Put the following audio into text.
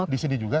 di sini juga